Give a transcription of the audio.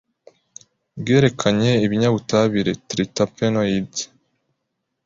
bwerekanye ibinyabutabire triterpenoids,